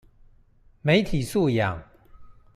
媒體素養